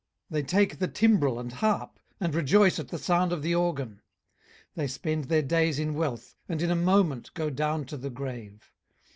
18:021:012 They take the timbrel and harp, and rejoice at the sound of the organ. 18:021:013 They spend their days in wealth, and in a moment go down to the grave.